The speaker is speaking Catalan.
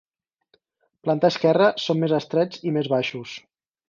Planta esquerra són més estrets i més baixos.